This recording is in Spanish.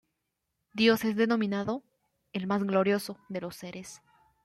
Dios es denominado "el más glorioso" de los seres.